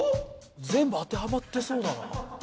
全部当てはまってそうな。